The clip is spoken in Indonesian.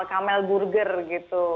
kamel burger gitu